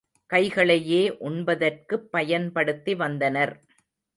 கைகளையே உண்பதற்குப் பயன்படுத்தி வந்தனர்.